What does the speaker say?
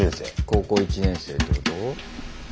高校１年生ってこと？